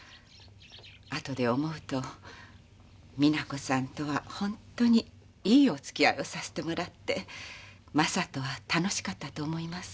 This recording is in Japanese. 後で思うと実那子さんとは本当にいいおつきあいをさせてもらって将人は楽しかったと思います。